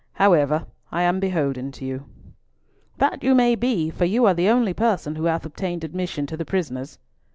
"However, I am beholden to you." "That you may be, for you are the only person who hath obtained admission to the prisoners."